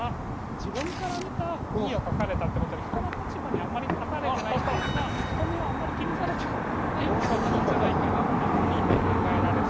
自分から見たＥを書かれたってことで人の立場にあんまり立たれてないっていうか人目をあんまり気にされてないってことなんじゃないかなっていうふうに考えられそうです。